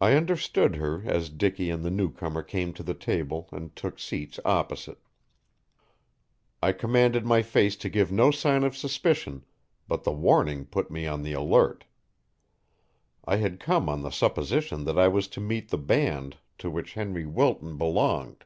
I understood her as Dicky and the new comer came to the table and took seats opposite. I commanded my face to give no sign of suspicion, but the warning put me on the alert. I had come on the supposition that I was to meet the band to which Henry Wilton belonged.